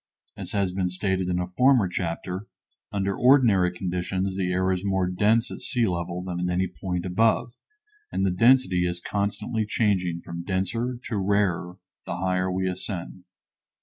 As has been stated in a former chapter, under ordinary conditions the air is more dense at sea level than at any point above, and the density is constantly changing from denser to rarer the higher we ascend.